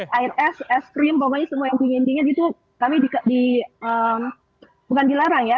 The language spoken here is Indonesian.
air es es krim pokoknya semua yang dingin dingin itu kami bukan dilarang ya